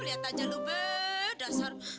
lihat aja lu be dasar